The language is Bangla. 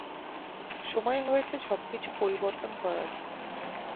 সময় হয়েছে সব কিছু পরিবর্তন করার।